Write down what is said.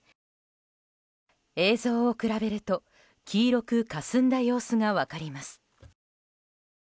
映像を比べると、黄色くかすんだ様子が分かります。